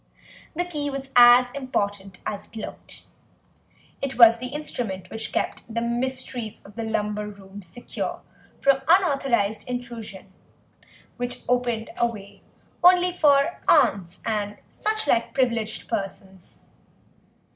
The key was as important as it looked; it was the instrument which kept the mysteries of the lumber room secure from unauthorised intrusion, which opened a way only for aunts and such like privileged persons.